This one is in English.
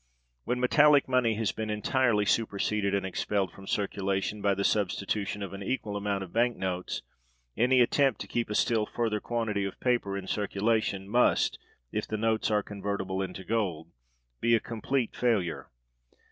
When metallic money had been entirely superseded and expelled from circulation, by the substitution of an equal amount of bank notes, any attempt to keep a still further quantity of paper in circulation must, if the notes are convertible [into gold], be a complete failure.